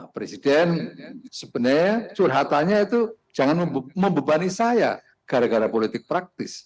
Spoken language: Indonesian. presiden sebenarnya curhatannya itu jangan membebani saya gara gara politik praktis